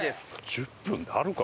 １０分であるか？